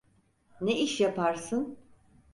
Ne iş yaparsın?